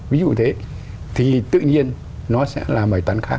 ví dụ thế thì tự nhiên nó sẽ là mời tán khác